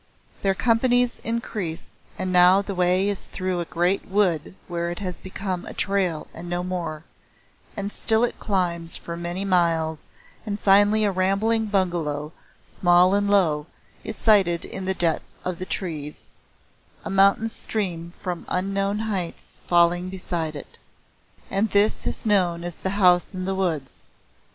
Their companies increase and now the way is through a great wood where it has become a trail and no more, and still it climbs for many miles and finally a rambling bungalow, small and low, is sighted in the deeps of the trees, a mountain stream from unknown heights falling beside it. And this is known as the House in the Woods.